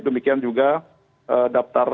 demikian juga daftar